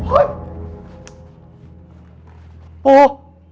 โอ้ยปู